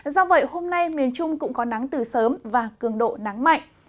do vậy hôm nay miền trung cũng có nắng từ sớm và cường độ nắng mạnh